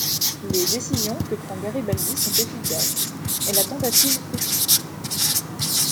Les décisions que prend Garibaldi sont efficaces et la tentative échoue.